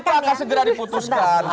itu akan segera diputuskan